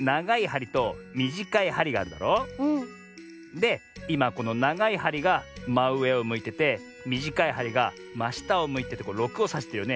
でいまこのながいはりがまうえをむいててみじかいはりがましたをむいてて６をさしてるよね。